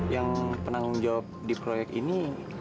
yang penanggung jawab di proyek ini